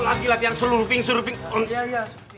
lagi latihan seluruh pinggi